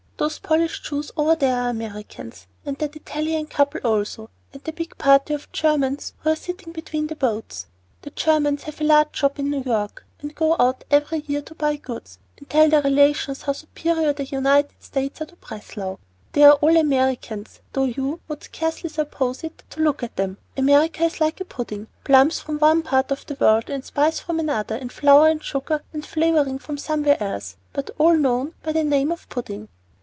Those Polish Jews over there are Americans, and that Italian couple also, and the big party of Germans who are sitting between the boats. The Germans have a large shop in New York, and go out every year to buy goods and tell their relations how superior the United States are to Breslau. They are all Americans, though you would scarcely suppose it to look at them. America is like a pudding, plums from one part of the world, and spice from another, and flour and sugar and flavoring from somewhere else, but all known by the name of pudding."